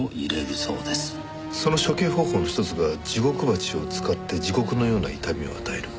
その処刑方法のひとつがジゴクバチを使って地獄のような痛みを与える。